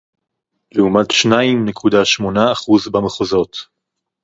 לעומת שניים נקודה שמונה אחוז במחוזות